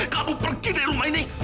kamu pergi dari rumah ini